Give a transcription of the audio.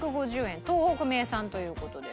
東北名産という事です